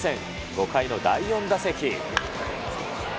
５回の第４打席。